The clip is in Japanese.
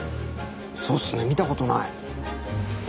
そうっすね見たことない。